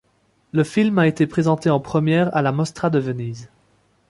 Le film a été présenté en première à la Mostra de Venise.